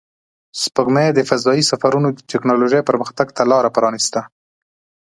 سپوږمۍ د فضایي سفرونو د تکنالوژۍ پرمختګ ته لار پرانیسته